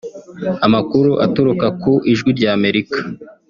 Amakuru aturuka ku Ijwi ry’Amerika